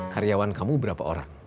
karyawan kamu berapa orang